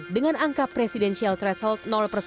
dengan angka presidensial threshold